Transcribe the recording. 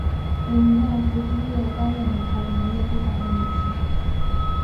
维尼曼是第一位担任美国农业部长的女性。